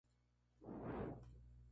Tiene su sede en Manhattan, Nueva York.